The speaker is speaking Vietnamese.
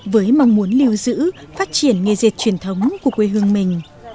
với mong muốn lưu giữ phát triển nghề dệt truyền thống của quê hương mình